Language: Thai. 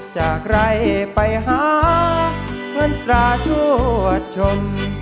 จากใร่ไปหาเงินกระชวดชม